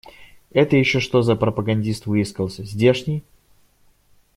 Это еще что за пропагандист выискался? Здешний?